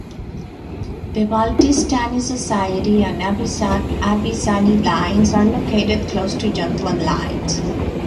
The Baltistani Society and Abbsynia Lines are located close to Jutland Lines.